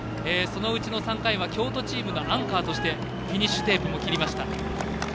そのうちの３回は京都チーム、アンカーとしてフィニッシュテープも切りました。